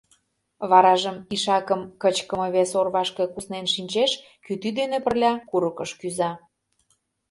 варажым ишакым кычкыме вес орвашке куснен шинчеш, кӱтӱ дене пырля курыкыш кӱза.